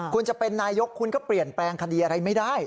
คุณจะเป็นนายกคุณก็เปลี่ยนแปลงคดีอะไรไม่ได้